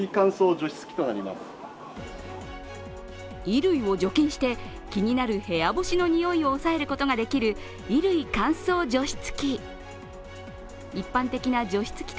衣類を除菌して、気になる部屋干しのにおいを抑えることができる衣類乾燥除湿機。